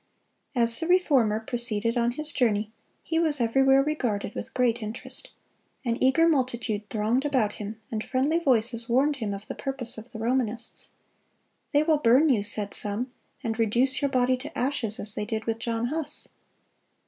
As the Reformer proceeded on his journey, he was everywhere regarded with great interest. An eager multitude thronged about him, and friendly voices warned him of the purpose of the Romanists. "They will burn you," said some, "and reduce your body to ashes, as they did with John Huss."